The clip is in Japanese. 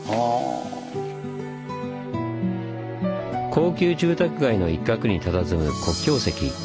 高級住宅街の一角にたたずむ